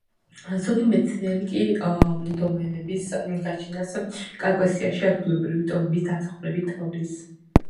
ზოგი მეცნიერი კი დოლმენების გაჩენას კავკასიაში ადგილობრივი ტომების დამსახურებად თვლის.